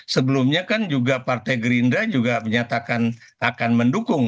sebelumnya kan juga partai gerindra juga menyatakan akan mendukung